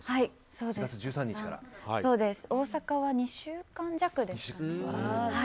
大阪は２週間弱ですね。